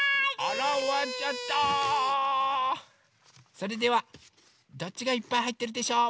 それではどっちがいっぱいはいってるでしょう？